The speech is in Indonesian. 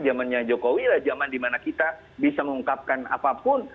zamannya jokowi lah zaman dimana kita bisa mengungkapkan apapun